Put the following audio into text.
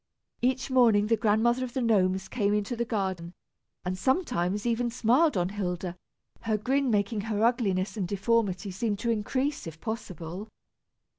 Each morning the Grandmother of the Gnomes came into the garden, and sometimes even smiled on Hilda, her grin making her ugliness and deformity seem to increase, if possible.